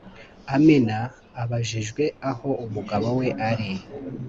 Amina abajijwe aho umugabo we ari